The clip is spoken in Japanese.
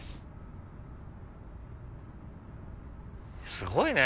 すごいね！